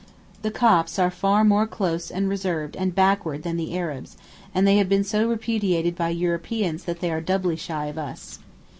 The Copts are far more close and reserved and backward than the Arabs, and they have been so repudiated by Europeans that they are doubly shy of us.